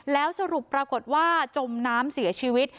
แล้วสรุปปรากฏว่าจมน้ำเสียชีวิต